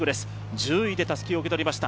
１０位でたすきを受け取りました。